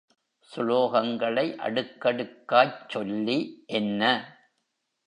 சுலோகங்களை அடுக்கடுக்காய்ச் சொல்லி என்ன?